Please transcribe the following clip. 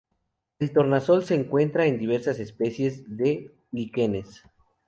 El tornasol se encuentra en diversas especies de líquenes.